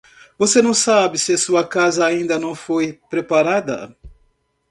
Você não sabe se sua casa ainda não foi preparada?